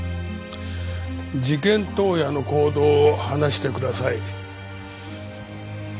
事件当夜の行動を話してください。